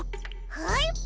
はい！